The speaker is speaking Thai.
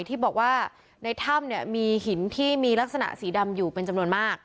ที่บอกว่าในถ้ำเนี่ยมีหินที่มีลักษณะสีดำอยู่เป็นจำนวนมาก